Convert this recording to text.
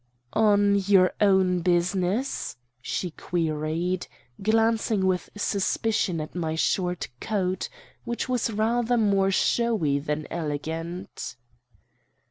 "'On your own business?' she queried, glancing with suspicion at my short coat, which was rather more showy than elegant.